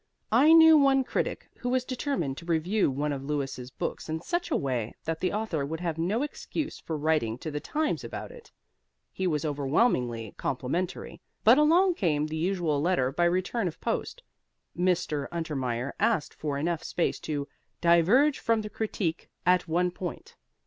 I knew one critic who was determined to review one of Louis's books in such a way that the author would have no excuse for writing to the Times about it. He was overwhelmingly complimentary. But along came the usual letter by return of post. Mr. Untermeyer asked for enough space to "diverge from the critique at one point."